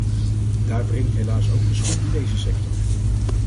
Daar wringt helaas ook de schoen in deze sector.